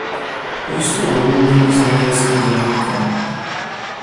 Po jistou dobu byl i zemědělským dělníkem.